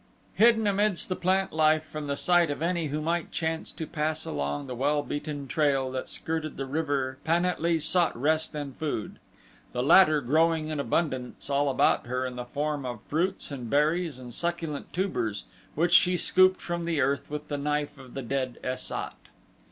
Hidden amidst the plant life from the sight of any who might chance to pass along the well beaten trail that skirted the river Pan at lee sought rest and food, the latter growing in abundance all about her in the form of fruits and berries and succulent tubers which she scooped from the earth with the knife of the dead Es sat.